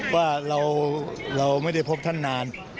ว่าเราไม่ได้พบท่านนาน